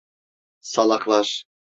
Salaklar!